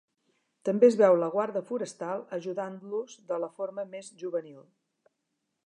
També es veu la guarda forestal ajudant-los de la forma més juvenil.